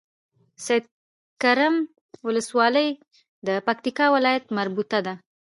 سيدکرم ولسوالۍ د پکتيا ولايت مربوطه ده